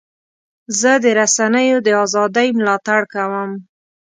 زه د رسنیو د ازادۍ ملاتړ کوم.